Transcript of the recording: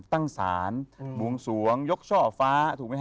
ตั้งสารบุงสวงยกช่อฟ้า